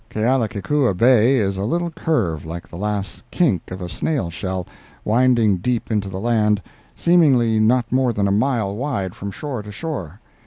Kealakekua Bay is a little curve like the last kink of a snail shell, winding deep into the land, seemingly not more than a mile wide from shore to shore.